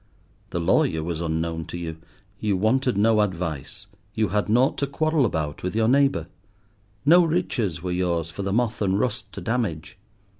The lawyer was unknown to you; you wanted no advice; you had nought to quarrel about with your neighbour. No riches were yours for the moth and rust to damage.